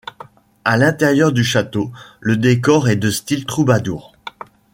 À l'intérieur du château, le décor est de style troubadour.